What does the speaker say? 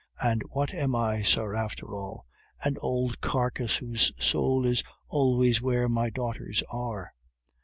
And what am I, sir, after all? An old carcase, whose soul is always where my daughters are.